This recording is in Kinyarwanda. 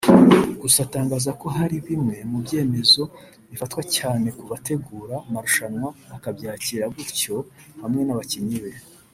gusa atangaza ko hari bimwe mu byemezo bifatwa cyane ku bategura marushanwa akabyakira gutyo hamwe n’abakinnyi be